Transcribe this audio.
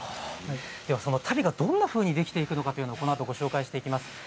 その足袋がどんなふうにできていくのかこのあとご紹介していきます。